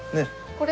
これ？